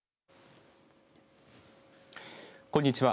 こんにちは。